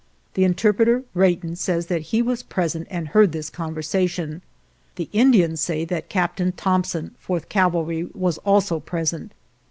" The interpreter, Wratton, says that he was present and heard this conversation. 159 GERONIMO The Indians say that Captain Thompson, Fourth Cavalry, was also present.